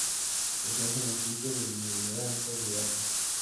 Pertenece al municipio de Miranda de Arga.